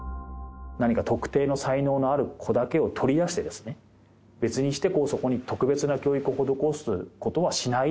何か特定の才能のある子だけを取り出して、別にして、そこに特別な教育を施すことはしない。